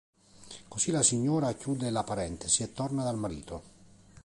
Così la signora chiude la parentesi e torna dal marito.